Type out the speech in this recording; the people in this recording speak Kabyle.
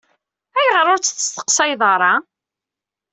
Ayɣer ur tt-testeqsayeḍ ara?